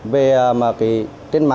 về mà cái